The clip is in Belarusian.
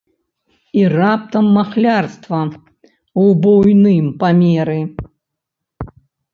І раптам махлярства ў буйным памеры!